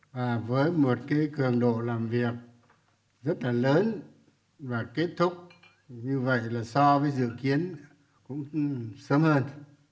và với một cái cường độ làm việc rất là lớn và kết thúc như vậy là so với dự kiến cũng sớm hơn